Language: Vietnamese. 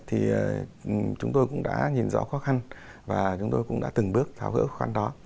thì chúng tôi cũng đã nhìn rõ khó khăn và chúng tôi cũng đã từng bước tháo gỡ khó khăn đó